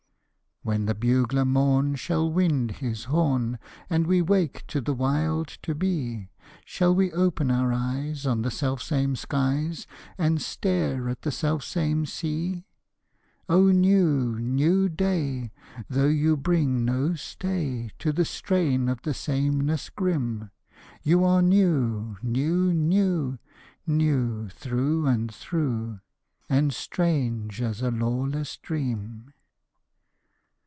When the bugler morn shall wind his horn, And we wake to the wild to be, Shall we open our eyes on the selfsame skies And stare at the selfsame sea? O new, new day! though you bring no stay To the strain of the sameness grim, You are new, new, new new through and through, And strange as a lawless dream.